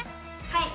はい！